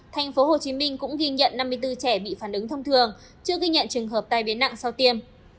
tp hcm cũng ghi nhận năm mươi bốn trẻ bị phản ứng thông thường chưa ghi nhận trường hợp tai biến nặng sau tiêm